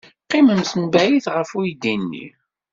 Qqimemt mebɛid ɣef uydi-nni.